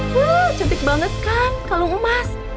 bu cantik banget kan kalung emas